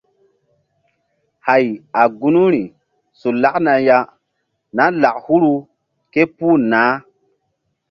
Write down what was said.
Hay a gunuri su lakna ya na lak huru ké puh nah.